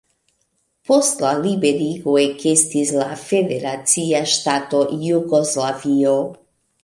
Post la liberigo ekestis la federacia ŝtato Jugoslavio.